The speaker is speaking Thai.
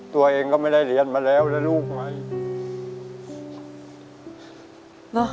ตัวเองก็ไม่ได้เรียนมาแล้วนะลูกไหม